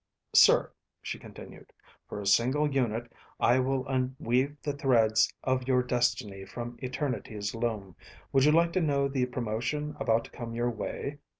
"Sir," she continued, "for a single unit I will unweave the threads of your destiny from eternity's loom. Would you like to know the promotion about to come your way?